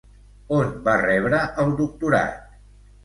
On va rebre el doctorat?